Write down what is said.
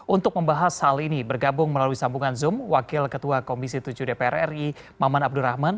untuk membahas hal ini bergabung melalui sambungan zoom wakil ketua komisi tujuh dpr ri maman abdurrahman